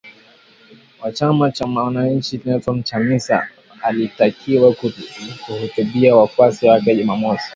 wa chama cha wananchi Nelson Chamisa alitakiwa kuhutubia wafuasi wake Jumamosi